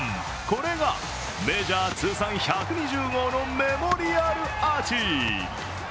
これがメジャー通算１２０号のメモリアルアーチ。